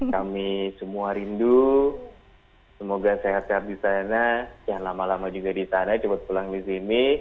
kami semua rindu semoga sehat sehat di sana yang lama lama juga di sana cepat pulang di sini